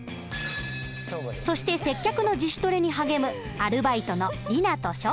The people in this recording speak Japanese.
そして接客の自主トレに励むアルバイトの莉奈と祥伍。